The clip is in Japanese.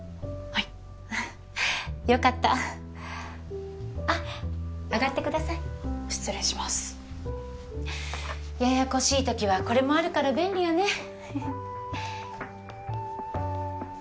はいよかったあっ上がってください失礼しますややこしい時はこれもあるから便利よね